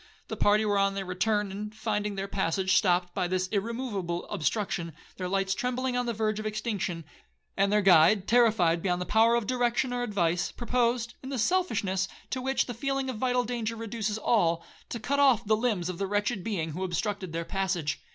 The party were on their return, and finding their passage stopped by this irremoveable obstruction, their lights trembling on the verge of extinction, and their guide terrified beyond the power of direction or advice, proposed, in the selfishness to which the feeling of vital danger reduces all, to cut off the limbs of the wretched being who obstructed their passage.